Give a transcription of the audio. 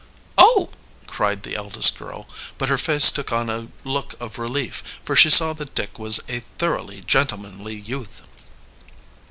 "Oh," cried the eldest girl, but her face took on a look of relief, for she saw that Dick was a thoroughly gentlemanly youth.